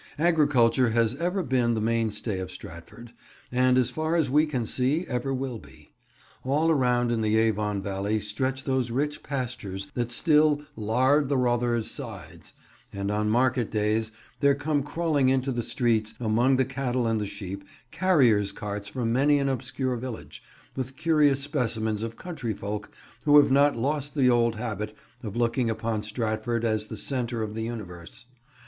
Agriculture has ever been the mainstay of Stratford, and as far as we can see, ever will be. All around in the Avon valley stretch those rich pastures that still "lard the rother's sides," and on market days there come crawling into the streets, among the cattle and the sheep, carriers' carts from many an obscure village, with curious specimens of countryfolk who have not lost the old habit of looking upon Stratford as the centre of the universe.